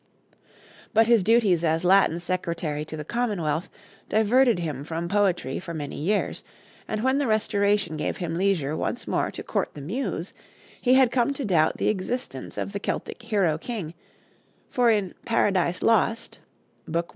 But his duties as Latin Secretary to the Commonwealth diverted him from poetry for many years, and when the Restoration gave him leisure once more to court the Muse, he had come to doubt the existence of the Celtic hero king; for in 'Paradise Lost' (Book i.